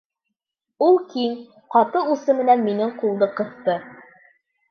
Ул киң, ҡаты усы менән минең ҡулды ҡыҫты.